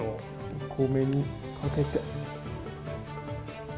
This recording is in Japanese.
お米にかけて。